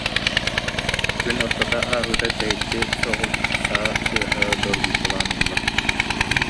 Күн ортото ааһыыта тэйиччи соҕус саа тыаһа дор- гуйталаан ылла